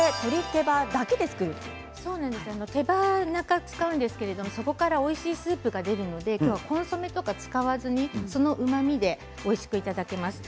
手羽中を使うんですけどそこから、おいしいスープが出るので今日はコンソメとか使わずにそのうまみでおいしくいただけます。